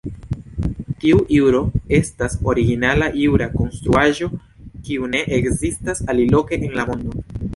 Tiu juro estas originala jura konstruaĵo, kiu ne ekzistas aliloke en la mondo.